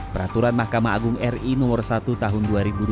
peraturan mahkamah agung ri no satu tahun dua ribu dua puluh